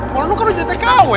pononong kan udah jadi tkw